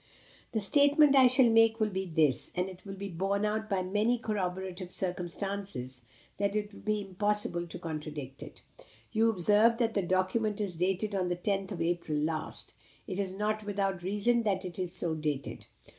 "The statement I shall make will be this, and it will be borne out by so many corroborative circumstances that it will be impossible to contradict it. You observe that the document is dated on the 10th of April last. It is not without reason that it is so dated.